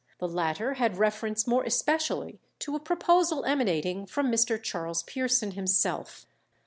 The latter had reference more especially to a proposal emanating from Mr. Charles Pearson himself.